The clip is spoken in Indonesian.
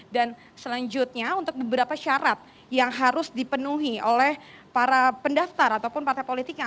dan selanjutnya untuk beberapa syarat yang harus dipenuhi oleh para pendaftar ataupun partai politik yang